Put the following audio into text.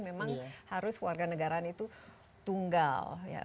memang harus warga negara itu tunggal